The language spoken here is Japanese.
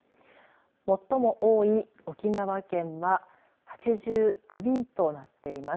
最も多い沖縄県は８９人となっています。